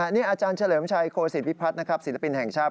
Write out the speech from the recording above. นี่อาจารย์เฉลิมชัยโคศิพิพัฒน์ศิลปินแห่งชาติ